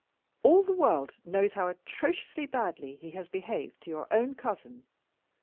All the world knows how atrociously badly he has behaved to your own cousin.